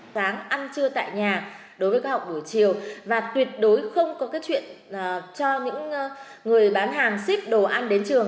sáng ăn trưa tại nhà đối với các học buổi chiều và tuyệt đối không có cái chuyện cho những người bán hàng ship đồ ăn đến trường